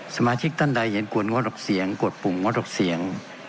สมาชิกท่านใดเห็นควรงดออกเสียงกดปุ่มงดออกเสียง